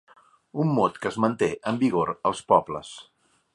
Un mot que es manté en vigor als pobles.